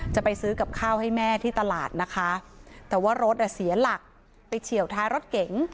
จะไปซื้อกับข้าวให้แม่ที่ตลาดนะคะแต่ว่ารถอ่ะเสียหลักไปเฉียวท้ายรถเก๋ง